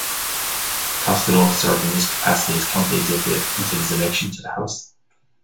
Costello served in this capacity as county executive until his election to the House.